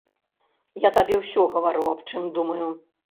Я табе ўсё гавару, аб чым думаю.